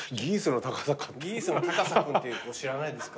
ギースの高佐君っていう子知らないですか？